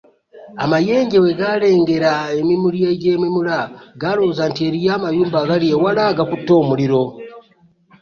Amayenje bwe galengera emimuli egyememula galowooza nti eriyo amayumba agali ewala agakutte omuliro.